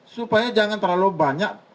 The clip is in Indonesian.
supaya jangan terlalu banyak